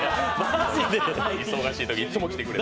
忙しいとき、いっつも来てくれて。